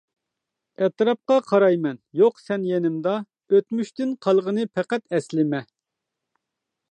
ئەتراپقا قارايمەن، يوق سەن يېنىمدا، ئۆتمۈشتىن قالغىنى پەقەت ئەسلىمە.